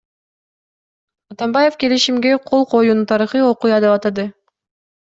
Атамбаев келишимге кол коюуну тарыхый окуя деп атады.